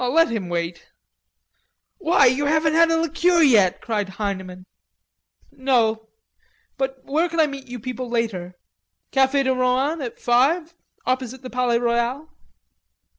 "Let him wait." "Why, you haven't had a liqueur yet," cried Heineman. "No... but where can I meet you people later?" "Cafe de Rohan at five... opposite the Palais Royal."